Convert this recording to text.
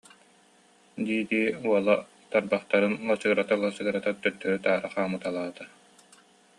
дии-дии, уола тарбахтарын лачыгырата-лачыгырата, төттөрү-таары хаамыталаата